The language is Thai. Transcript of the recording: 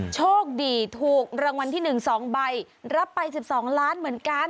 โชคดีถูกรางวัลที่๑๒ใบรับไป๑๒ล้านเหมือนกัน